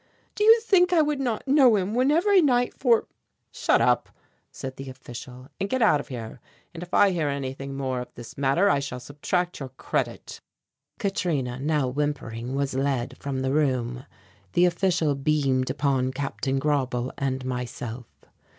"Do you think I would not know him when every night for " "Shut up," said the official, "and get out of here, and if I hear anything more of this matter I shall subtract your credit." Katrina, now whimpering, was led from the room. The official beamed upon Capt. Grauble and myself.